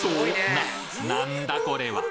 ななんだこれは？